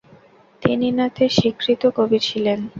তিনি না'তের স্বীকৃত কবি ছিলেন।